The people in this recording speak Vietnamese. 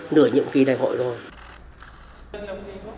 nửa nhiệm kỳ đại hội rồi